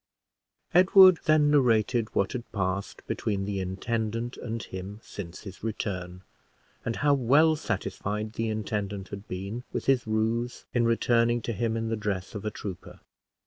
Edward then narrated what had passed between the intendant and him since his return; and how well satisfied the intendant had been with his ruse in returning to him in the dress of a trooper.